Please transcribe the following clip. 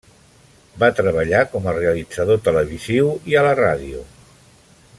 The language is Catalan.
Va treballar com a realitzador televisiu i a la ràdio.